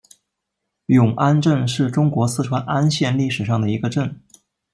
永安镇是中国四川安县历史上的一个镇。